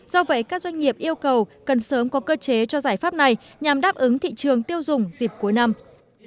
do vậy các doanh nghiệp yêu cầu cần sớm có cơ chế cho giải pháp này nhằm đáp ứng thị trường tiêu dùng dịp cuối năm